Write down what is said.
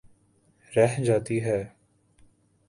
رہ جاتی ہے۔